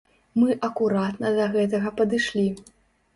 Мы акуратна да гэтага падышлі.